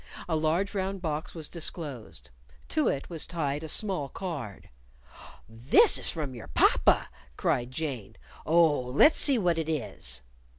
A large, round box was disclosed. To it was tied a small card. "This is from your papa!" cried Jane. "Oh, let's see what it is!"